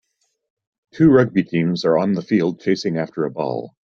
Two rugby teams are on the field chasing after a ball.